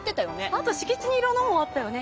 あと敷地にいろんなものあったよね。